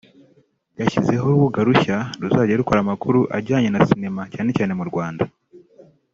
yashyizeho urubuga rushya ruzajya rukora amakuru ajyanye na cinema cyane cyane mu Rwanda